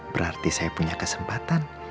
berarti saya punya kesempatan